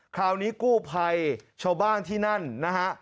คราวนี้กู้ภัยชาวบ้านที่นั่นนะฮะ